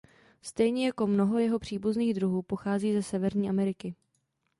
Stejně jako mnoho jeho příbuzných druhů pochází ze Severní Ameriky.